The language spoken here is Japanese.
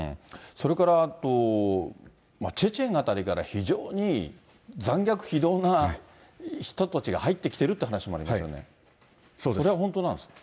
それからあと、チェチェン辺りから非常に残虐非道な人たちが入ってきてるって話もありますよね、それは本当なんですか。